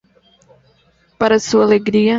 Para sua alegria!